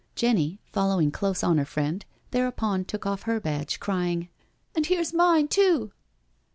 Jenny, following close on her friend, thereupon took off her badge, crying: " And here's mine, too."